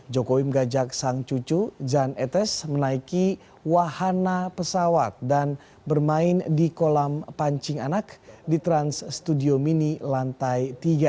jokowi mengajak sang cucu jan etes menaiki wahana pesawat dan bermain di kolam pancing anak di trans studio mini lantai tiga